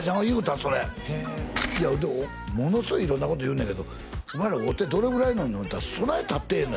それいやものすごい色んなこと言うんやけどお前ら会うてどれぐらいになんの言うたらそないたってへんのやな